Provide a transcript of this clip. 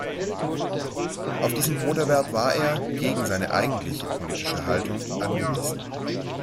Auf diesen Broterwerb war er, gegen seine eigentliche politische Haltung, angewiesen.